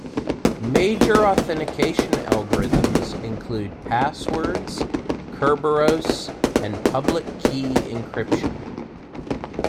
Major authentication algorithms include passwords, Kerberos, and public key encryption.